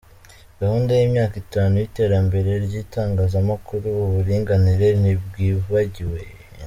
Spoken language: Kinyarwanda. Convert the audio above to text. Gahunda y’imyaka itanu y’iterambere ry’itangazamakuru, uburinganire ntibwibagiwe.